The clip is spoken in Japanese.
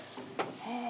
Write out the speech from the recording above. へえ。